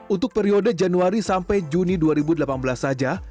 untuk periode januari sampai juni dua ribu delapan belas saja